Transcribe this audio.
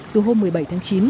từ hôm một mươi bảy tháng chín